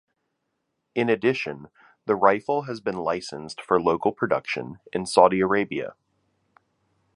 In addition, the rifle has been licensed for local production in Saudi Arabia.